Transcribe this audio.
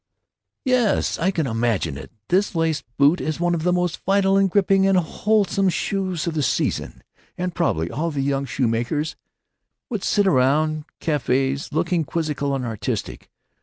"Yes! I can imagine it. 'This laced boot is one of the most vital and gripping and wholesome shoes of the season.' And probably all the young shoemakers would sit around cafés, looking quizzical and artistic.